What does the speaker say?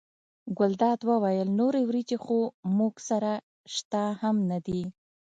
ګلداد وویل نورې وریجې خو موږ سره شته هم نه دي.